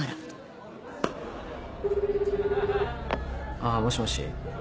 あぁもしもし？